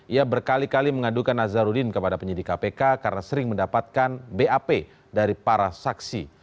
ia berkali kali mengadukan nazarudin kepada penyidik kpk karena sering mendapatkan bap dari para saksi